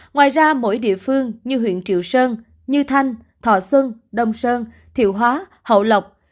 ngoài ra mỗi địa phương như huyện triệu sơn như thanh thọ xuân đông sơn thiệu hóa hậu lộc